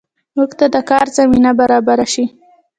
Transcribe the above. موږ ته د کار زمینه برابره شي